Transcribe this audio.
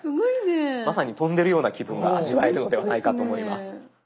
まさに飛んでるような気分が味わえるのではないかと思います。